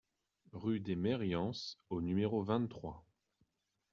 Rue des Meriens au numéro vingt-trois